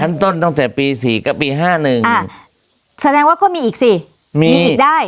ต้นตั้งแต่ปีสี่กับปีห้าหนึ่งอ่าแสดงว่าก็มีอีกสิมีมีสิทธิ์ได้